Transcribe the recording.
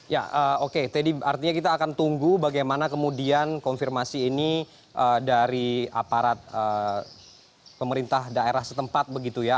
ya oke teddy artinya kita akan tunggu bagaimana kemudian konfirmasi ini dari aparat pemerintah daerah setempat begitu ya